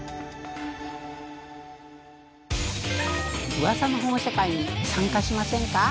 「ウワサの保護者会」に参加しませんか？